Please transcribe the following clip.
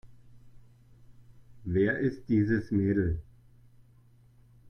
Wer ist dieses Mädel?